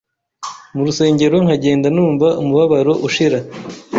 mu rusengero nkagenda numva umubabaro ushira,